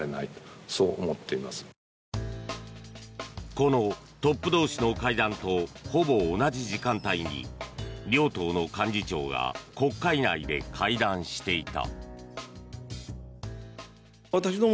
このトップ同士の会談とほぼ同じ時間帯に両党の幹事長が国会内で会談していた。